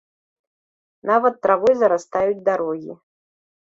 Нават травой зарастаюць дарогі.